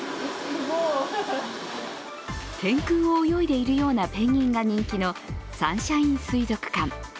天空を泳いでいるようなペンギンが人気のサンシャイン水族館。